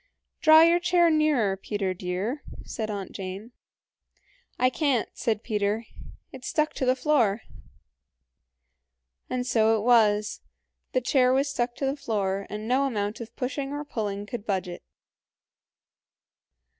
"Draw your chair nearer, Peter dear," said Aunt Jane. "I can't" said Peter, "it's stuck to the floor." And so it was; the chair was stuck to the floor, and no amount of pushing or pulling could budge it.